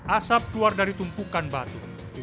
asap keluar dari tumpukan batu